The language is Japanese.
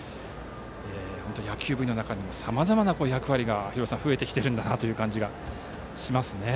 本当に野球部の中にさまざまな役割が増えてきているんだなと感じますね。